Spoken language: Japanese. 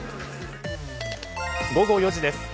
午後４時です。